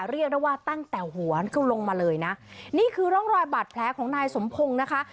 เรียกได้ว่าตั้งแต่หัวก็ลงมาเลยนะนี่คือร่องรอยบาดแผลของนายสมพงศ์นะคะ